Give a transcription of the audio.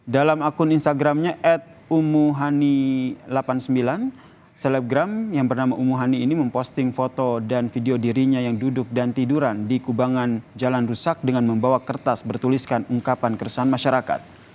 dalam akun instagramnya at umuhani delapan puluh sembilan selebgram yang bernama umuhani ini memposting foto dan video dirinya yang duduk dan tiduran di kubangan jalan rusak dengan membawa kertas bertuliskan ungkapan keresahan masyarakat